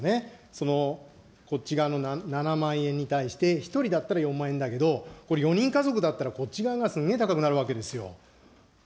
そのこっち側の７万円に対して、１人だったら４万円だけど、これ、４人家族だったらこっち側がすんげえ高くなるわけなんですよ。